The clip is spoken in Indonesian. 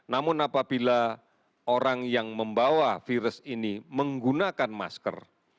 namun apabila orang yang membawa virus ini menggunakan masker